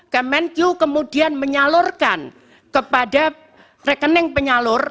kemenq kemudian menyalurkan kepada rekening penyalur